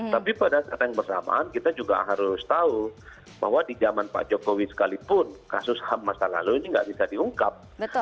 tapi pada saat yang bersamaan kita juga harus tahu bahwa di zaman pak jokowi sekalipun kasus ham masa lalu ini nggak bisa diungkap